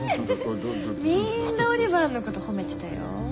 みんなオリバーのこと褒めてたよ。